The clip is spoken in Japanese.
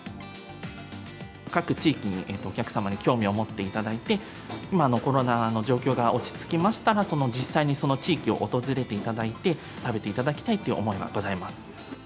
各地域にお客様に興味を持っていただいて、今のコロナの状況が落ち着きましたら、その実際にその地域を訪れていただいて、食べていただきたいっていう思いがございます。